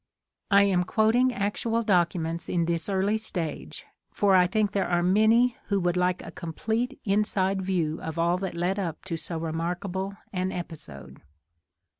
I am quoting actual documents in this early stage, for I think there are many who would like a complete inside view of all that led up to so remarkable an episode.